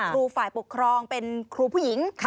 ครูฝ่ายปกครองเป็นครูผู้หญิง